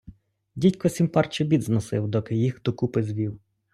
Дідько сім пар чобіт зносив, доки їх докупи звів.